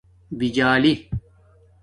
بِجالی